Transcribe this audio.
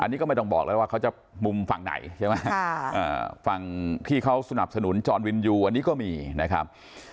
อันนี้ก็ไม่ต้องบอกแล้วว่าเขาจะมุมฝั่งไหนใช่ไหมฝั่งที่เขาสนับสนุนจรวินยูอันนี้ก็มีนะครับ